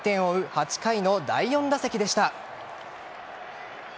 ８回の第４打席でした。